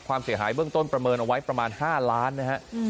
ความเสียหายเบื้องต้นประเมินเอาไว้ประมาณ๕ล้านนะฮะ